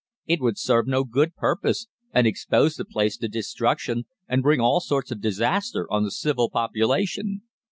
It would serve no good purpose, and expose the place to destruction and bring all sorts of disaster on the civil population.